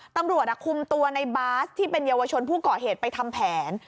ตำรวจคุมตัวในบาสที่เป็นเยาวชนผู้ก่อเหตุไปทำแผน